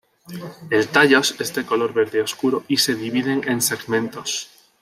El tallos es de color verde oscuro y se dividen en segmentos.